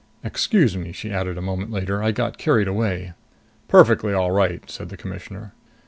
"Excuse me," she added a moment later. "I got carried away." "Perfectly all right," said the Commissioner.